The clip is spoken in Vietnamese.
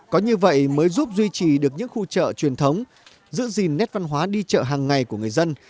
có như vậy mới giúp duy trì được những khu chợ truyền thống giữ gìn nét văn hóa đi chợ hàng ngày của người dân